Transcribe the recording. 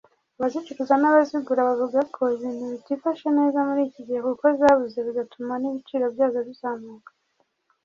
abazicuruza n’abazigura bavuga ko ibintu bitifashe neza muri iki gihe kuko zabuze bigatuma n’ibiciro byazo bizamuka